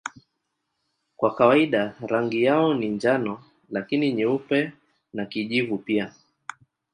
Kwa kawaida rangi yao ni njano lakini nyeupe na kijivu pia.